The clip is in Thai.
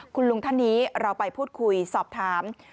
คุณลุงท่านนี้เราไปพูดคุยสอบถาม